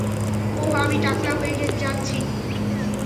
ওহ, আমি টাকলা হয়ে যাচ্ছি?